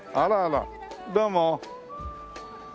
どうも。